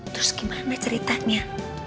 terus gimana ceritanya